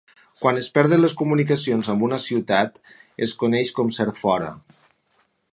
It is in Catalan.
Quan es perden les comunicacions amb una ciutat, es coneix com ser fora.